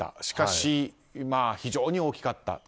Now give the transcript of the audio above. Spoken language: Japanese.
しかし、非常に大きかった。